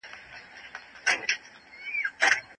ایا د دښتې ژوند به د لښتې لپاره اسانه شي؟